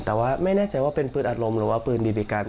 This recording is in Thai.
แต่ว่าไม่แน่ใจว่าเป็นปืนอัดลมหรือว่าปืนบีบีกัน